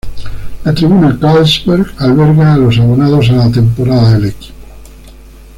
La tribuna Carlsberg alberga a los abonados a la temporada del equipo.